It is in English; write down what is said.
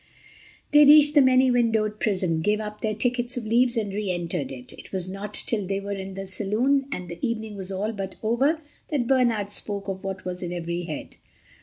They reached the many windowed prison, gave up their tickets of leaves and reentered it. It was not till they were in the saloon and the evening was all but over that Bernard spoke of what was in every head.